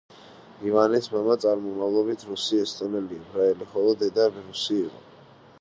ივანეს მამა წარმომავლობით რუსი, ესტონელი, ებრაელი, ხოლო დედა რუსი იყო.